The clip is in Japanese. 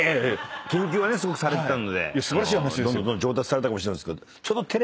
研究はねすごくされてたので上達されたかもしれないけど。